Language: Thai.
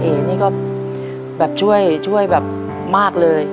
เอนี่ก็แบบช่วยแบบมากเลย